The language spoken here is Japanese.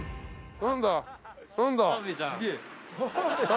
何だ？